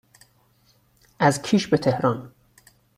از کیش به تهران